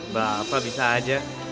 bapak bisa aja